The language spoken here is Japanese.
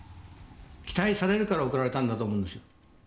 期待されるから送られたんだと思うんですよ。